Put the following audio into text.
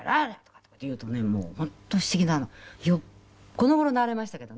この頃慣れましたけどね。